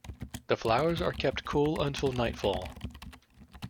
The flowers are kept cool until nightfall.